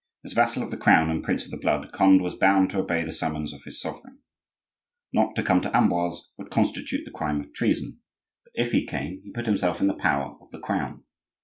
As vassal of the Crown and prince of the blood, Conde was bound to obey the summons of his sovereign. Not to come to Amboise would constitute the crime of treason; but if he came, he put himself in the power of the Crown.